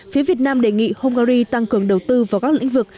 phía việt nam đề nghị hungary tăng cường đầu tư vào các lĩnh vực